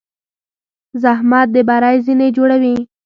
زحمت د بری زینې جوړوي.